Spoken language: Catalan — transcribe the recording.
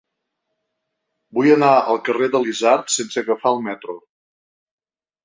Vull anar al carrer de l'Isard sense agafar el metro.